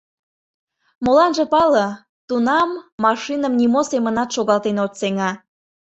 — Моланже пале, тунам машиным нимо семынат шогалтен от сеҥе.